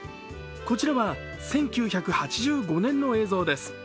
こちらは１９８５年の映像です。